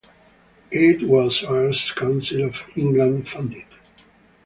It was Arts Council of England funded.